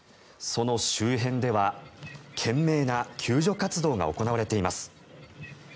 その周辺では懸命な救助活動が行われています。